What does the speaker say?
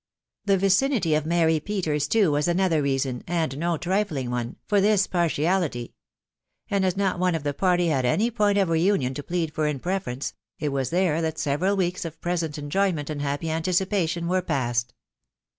The vicinity of Mary Peters, too, was another reason, and no trifling one, for this partiality ; and as not one of the party had any point of re union to plead for in preference, it was there that several weeks of present enjoyment and happy anticipation were passed.